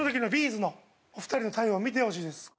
’ｚのお二人の対応を見てほしいです。